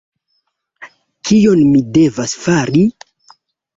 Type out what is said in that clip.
Kion mi devas fari?